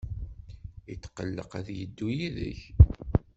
Yetqelleq ad yeddu yid-k.